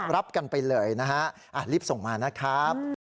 รับกันไปเลยนะฮะรีบส่งมานะครับ